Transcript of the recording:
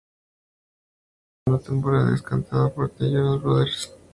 Durante la segunda temporada es cantado por The Jonas Brothers.